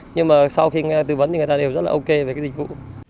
nhưng mà sau khi tư vấn thì người ta đều rất là ok với dịch vụ